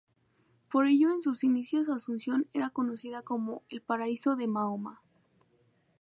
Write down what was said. Por ello en sus inicios Asunción era conocida como ""El paraíso de Mahoma"".